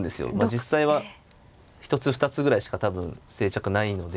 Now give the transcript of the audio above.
実際は１つ２つぐらいしか多分正着ないので。